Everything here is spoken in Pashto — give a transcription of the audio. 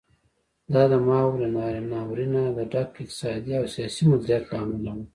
دا د ماوو له ناورینه د ډک اقتصادي او سیاسي مدیریت له امله و.